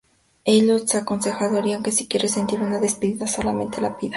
Elliot le aconseja a Dorian que si quiere sentir una despedida, solamente la pida.